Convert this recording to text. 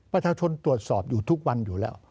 ประชาชนตรวจสอบอยู่ทุกวันอยู่แล้ว